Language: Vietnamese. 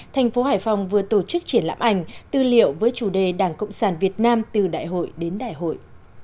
thành phố hải phòng vừa tổ chức triển lãm ảnh tư liệu với chủ đề đảng cộng sản việt nam từ đại hội đến đại hội